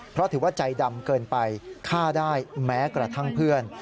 เพราะถือว่าใจดำเกินไปฆ่าได้แม้กระทั่งเพื่อน